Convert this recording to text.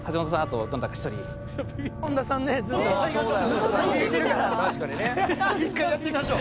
一回やってみましょう。